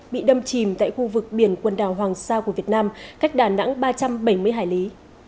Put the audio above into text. bị đâm chìm tại khu vực biển quần đảo hoàng sa của việt nam cách đà nẵng ba trăm bảy mươi hải lý